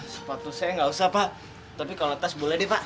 sepatu saya nggak usah pak tapi kalau tas boleh nih pak